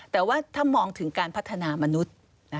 แต่ว่าถ้ามองถึงการพัฒนามนุษย์